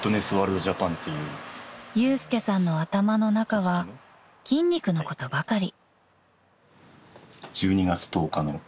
［祐介さんの頭の中は筋肉のことばかり］